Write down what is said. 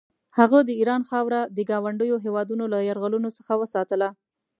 هغه د ایران خاوره د ګاونډیو هېوادونو له یرغلونو څخه وساتله.